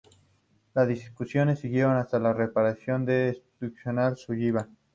Las discusiones siguieron hasta la separación de Educational y Sullivan.